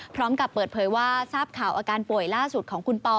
พร้อมกับเปิดเผยว่าทราบข่าวอาการป่วยล่าสุดของคุณปอ